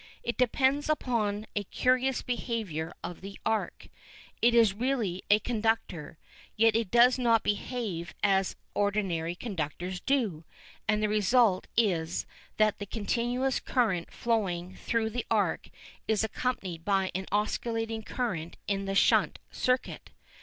It depends upon a curious behaviour of the arc. It is really a conductor, yet it does not behave as ordinary conductors do, and the result is that the continuous current flowing through the arc is accompanied by an oscillating current in the shunt circuit.